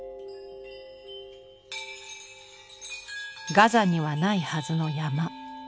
ガザにはないはずの山。